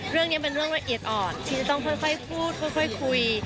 เรื่องนี้เป็นเรื่องละเอียดอ่อนที่จะต้องค่อยพูดค่อยคุย